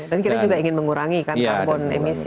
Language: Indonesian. dan kita juga ingin mengurangi kan karbon emisi yang kita produksi